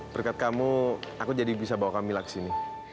berkat kamu aku jadi bisa bawa kamila kesini